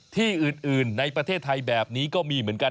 ที่อื่นในประเทศไทยแบบนี้ก็มีเหมือนกัน